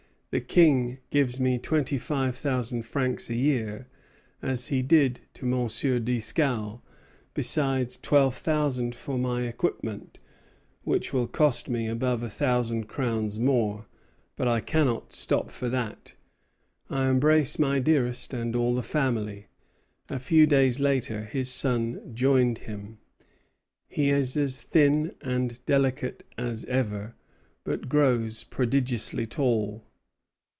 The King gives me twenty five thousand francs a year, as he did to M. Dieskau, besides twelve thousand for my equipment, which will cost me above a thousand crowns more; but I cannot stop for that. I embrace my dearest and all the family." A few days later his son joined him. "He is as thin and delicate as ever, but grows prodigiously tall."